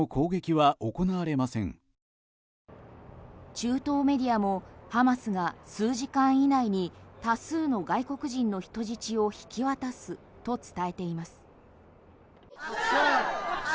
中東メディアもハマスが数時間以内に多数の外国人の人質を引き渡すと伝えています。